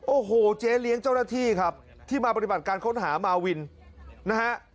โอ้โหเจ๊เลี้ยงเจ้าหน้าที่ครับที่มาปฏิบัติการค้นหามาวินนะฮะ